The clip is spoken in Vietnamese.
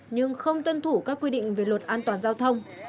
nhưng không tuân thủ các quy định về luật an toàn giao thông